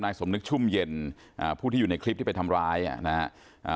สมนึกชุ่มเย็นอ่าผู้ที่อยู่ในคลิปที่ไปทำร้ายอ่ะนะฮะอ่า